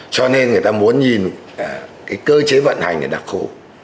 cho nên người ta muốn nhìn cái cơ chế vận hành này đặc khu